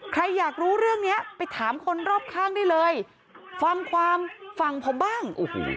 ใครอยากรู้เรื่องนี้ไปถามคนรอบข้างได้เลยฟังความฝั่งผมบ้าง